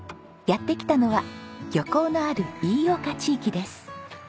やって来たのは漁港のある飯岡地域です。